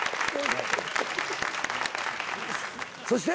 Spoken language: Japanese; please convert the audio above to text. そして。